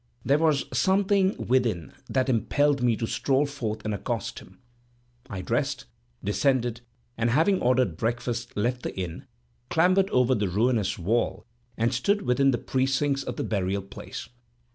There was something within that impelled me to stroll forth and accost him. I dressed, descended, and having ordered breakfast, left the inn, clambered over the ruinous wall, and stood within the precincts of the burial place.